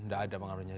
gak ada pengaruhnya